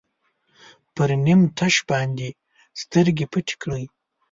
پر نیم تش باندې سترګې پټې کړئ.